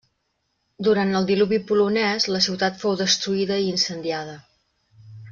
Durant el Diluvi polonès, la ciutat fou destruïda i incendiada.